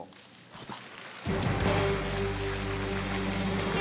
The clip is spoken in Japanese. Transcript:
どうぞ。